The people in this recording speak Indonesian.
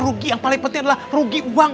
rugi yang paling penting adalah rugi uang